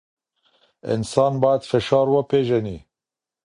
انسان باید فشار وپېژني.